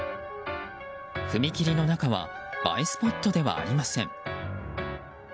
踏切の中は映えスポットではありません。